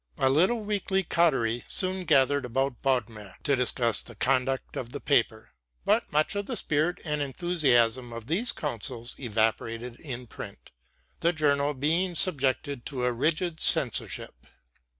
A little weekly coterie soon gathered about Bodmer to discuss the conduct of the paper; but much of the spirit and enthusiasm of these councils evaporated in print, the journal being subjected to a rigid censorship.